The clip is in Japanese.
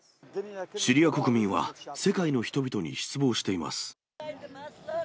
シリア国民は、世界の人々に失望しています。